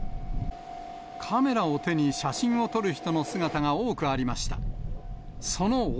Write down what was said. カメラを手に、写真を撮る人の姿が多くありました。